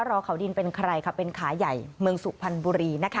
อเขาดินเป็นใครค่ะเป็นขาใหญ่เมืองสุพรรณบุรีนะคะ